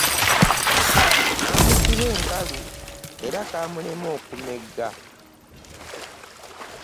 Kaamusiba enkalu era kaamulema okumegga.